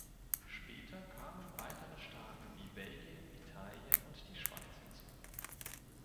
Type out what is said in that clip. Später kamen weitere Staaten wie Belgien, Italien und die Schweiz hinzu.